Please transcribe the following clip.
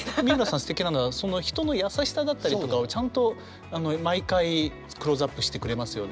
すてきなのはその人の優しさだったりとかをちゃんと毎回クローズアップしてくれますよね。